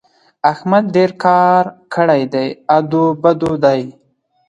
احمد ډېر کار کړی دی؛ ادو بدو دی.